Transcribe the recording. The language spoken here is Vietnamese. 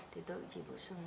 thì tôi cũng chỉ bổ sung